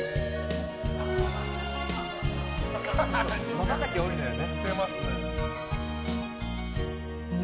まばたき多いのよね。